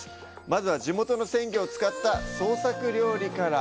まずは、地元の鮮魚を使った創作料理から。